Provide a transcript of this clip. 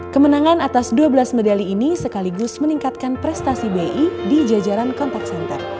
kemenangan atas dua belas medali ini sekaligus meningkatkan prestasi bi di jajaran kontak center